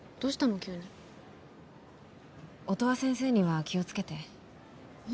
急に音羽先生には気をつけてえっ？